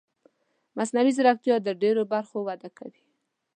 مصنوعي ځیرکتیا د ډېرو برخو وده کوي.